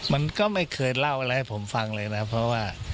มันก็ไม่เคยเล่าอะไรให้ผมฟังเลยนะครับเพราะว่า